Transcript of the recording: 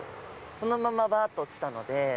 そのままばーっと落ちたので。